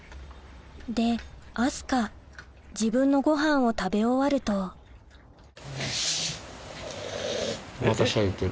で明日香自分のごはんを食べ終わるとまた「シャ」言ってる。